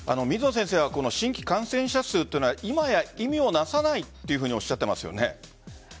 水野先生は新規感染者数というのは今や意味をなさないとおっしゃっていますよね。